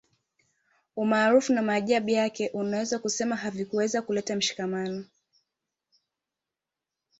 Umaarufu na maajabu yake unaweza kusema havikuweza kuleta mshikamano